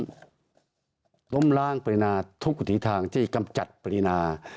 ที่จะล้มล้างปริณาทุกทิศทางที่กำจัดปริณา